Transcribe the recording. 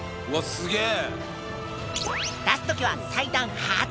すげえ。